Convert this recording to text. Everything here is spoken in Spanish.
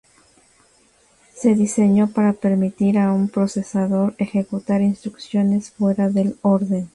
Se diseñó para permitir a un procesador ejecutar instrucciones fuera de orden.